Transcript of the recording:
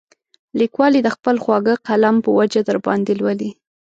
لیکوال یې د خپل خواږه قلم په وجه درباندې لولي.